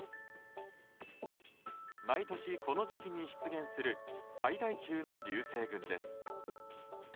毎年この時期に出現する最大級の流星群です。